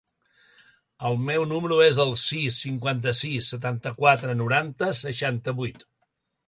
El meu número es el sis, cinquanta-sis, setanta-quatre, noranta, seixanta-vuit.